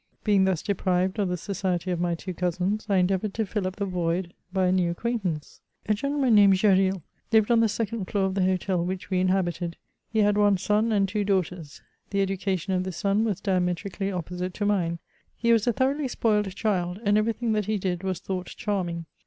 * Being thus deprived of the society of my two cousins, I endeavoured to fill up the void by a new acquantance. A gentleman named Gesril, lived on the second floor of the hotel which we inhabited; he had one son and two daughters. The education of this son was diametrically opposite to mine. He was a thoroughly spoiled child, and everything that he did was thought charming.